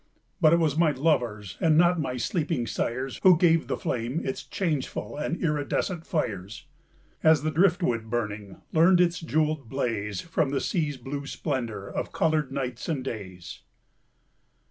But it was my lovers, And not my sleeping sires, Who gave the flame its changeful And iridescent fires; As the driftwood burning Learned its jewelled blaze From the sea's blue splendor Of colored nights and days.